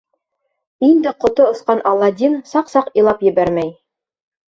Инде ҡото осҡан Аладдин саҡ-саҡ илап ебәрмәй.